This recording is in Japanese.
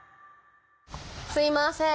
すいません。